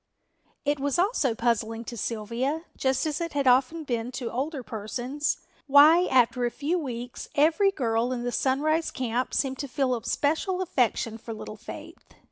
It was also puzzling to Sylvia, just as it has often been to older persons, why after a few weeks every girl in the Sunrise camp seemed to feel a special affection for little Faith.